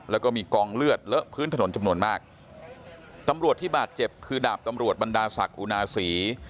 แล้วก็มีกองเลือดเลอะพื้นถนนจำนวนมากตำรวจที่บาดเจ็บคือดาบตำรวจบรรดาศักดิ์อุนาศรี